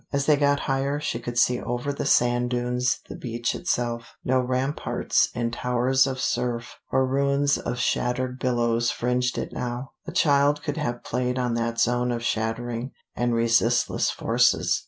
As they got higher she could see over the sand dunes the beach itself; no ramparts and towers of surf or ruins of shattered billows fringed it now; a child could have played on that zone of shattering and resistless forces.